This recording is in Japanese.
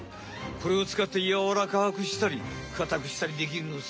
これをつかってやわらかくしたりかたくしたりできるのさ。